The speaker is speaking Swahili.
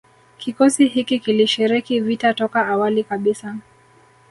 Kikosi hiki kilishiriki vita toka awali kabisa